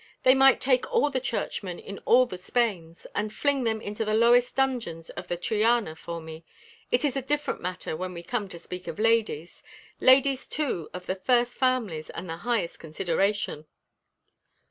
They might take all the Churchmen in all the Spains, and fling them into the lowest dungeons of the Triana for me. It is a different matter when we come to speak of ladies ladies, too, of the first families and highest consideration."